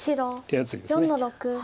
手厚いです。